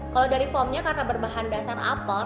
kalau dari foam nya karena berbahan dasar apel